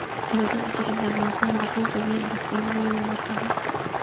مزارشریف د افغانستان د ټول طبیعت د ښکلا یوه برخه ده.